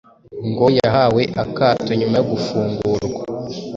Ngo yahawe akato nyuma yo gufungurwa